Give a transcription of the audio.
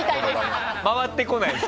回ってこないです。